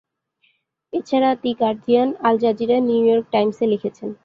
এছাড়া the Guardian, Al Jazeera, New York টাইমসে লিখেছেন।